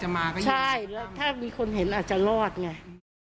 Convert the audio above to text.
ใช่แล้วถ้ามีคนเห็นอาจจะรอดไง